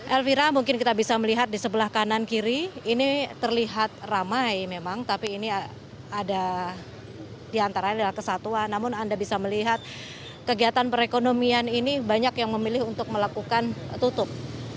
elvira mungkin kita bisa melihat di sebelah kanan kiri ini terlihat ramai memang tapi ini ada di antaranya adalah kesatuan namun anda bisa melihat kegiatan perekonomian ini banyak yang memilih untuk melakukan tutup